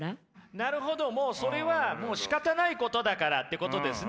なるほどもうそれはもうしかたないことだからってことですね。